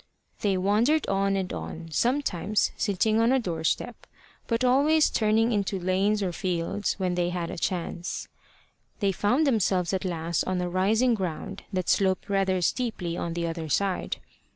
They wandered on and on, sometimes sitting on a door step, but always turning into lanes or fields when they had a chance. They found themselves at last on a rising ground that sloped rather steeply on the other side.